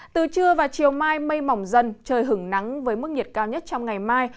từ trưa và chiều mai mây mỏng dần trời hứng nắng với mức nhiệt cao nhất trong ngày mai